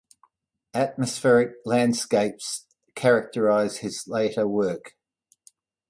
Atmospheric landscapes characterize his later work.